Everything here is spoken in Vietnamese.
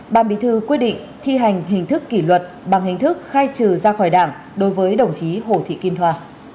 ban bí thư quyết định thi hành hình thức kỷ luật bằng hình thức khai trừ ra khỏi đảng đối với đồng chí hồ thị kim thoa